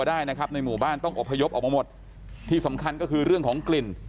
ได้นะครับในหมู่บ้านต้องอบพยพออกมาหมดที่สำคัญก็คือเรื่องของกลิ่น